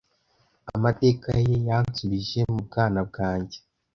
Amateka ye yansubije mubwana bwanjye.